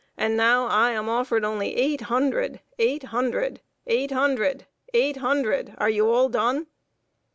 And now I am offered only eight hundred eight hundred eight hundred eight hundred; are you all done?"